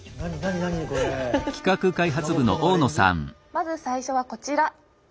まず最初はこちら。